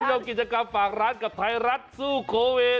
ร่วมกิจกรรมฝากร้านกับไทยรัฐสู้โควิด